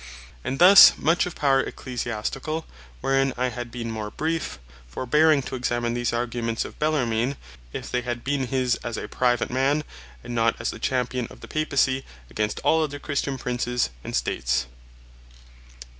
And thus much of Power Ecclesiasticall; wherein I had been more briefe, forbearing to examine these Arguments of Bellarmine, if they had been his, as a Private man, and not as the Champion of the Papacy, against all other Christian Princes, and States.